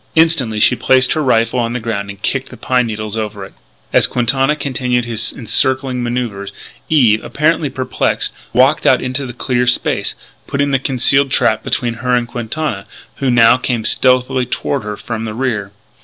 Instantly she placed her rifle on the ground and kicked the pine needles over it. As Quintana continued his encircling manoeuvres Eve, apparently perplexed, walked out into the clear space, putting the concealed trap between her and Quintana, who now came stealthily toward her from the rear.